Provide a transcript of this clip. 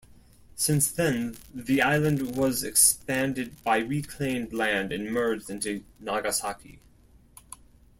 Since then, the island was expanded by reclaimed land and merged into Nagasaki.